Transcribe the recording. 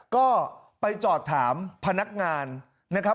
ก็ไปจอดถามพนักงานนะครับ